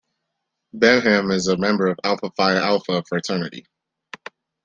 Benham is a member of Alpha Phi Alpha fraternity.